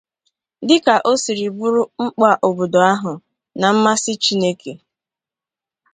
dịka o siri bụrụ mkpa obodo ahụ na mmasị Chineke.